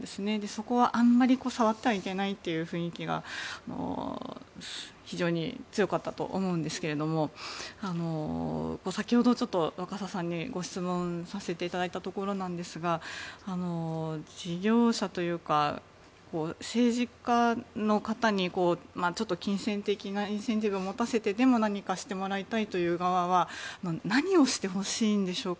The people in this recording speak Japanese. そこはあまり触ってはいけないという雰囲気が非常に強かったと思うんですけれども先ほど、若狭さんにご質問させていただいたんですが事業者というか政治家の方にちょっと金銭的なインセンティブを持たせてでも何かしてもらいたいという側は何をしてほしいんでしょうか。